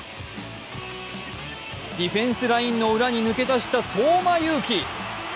ディフェンスラインの裏に抜け出した相馬勇紀。